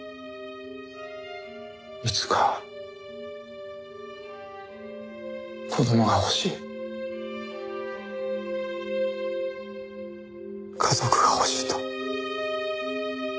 いつか子供が欲しい家族が欲しいと。